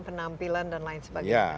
penampilan dan lain sebagainya